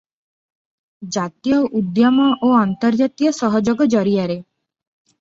ଜାତୀୟ ଉଦ୍ୟମ ଓ ଆନ୍ତର୍ଜାତୀୟ ସହଯୋଗ ଜରିଆରେ ।